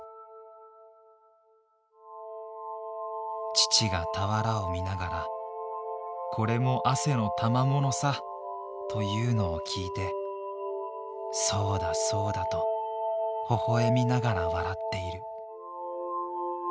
「父が俵を見ながら『これも汗の玉物さ！』とゆうのを聞いて『そうだそうだ』とほほゑみながら笑って居る」。